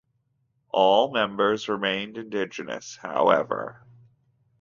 All members remained indigenous, however.